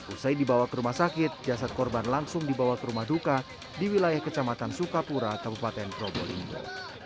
usai dibawa ke rumah sakit jasad korban langsung dibawa ke rumah duka di wilayah kecamatan sukapura kabupaten probolinggo